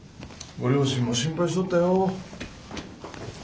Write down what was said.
ご両親も心配しとったよ。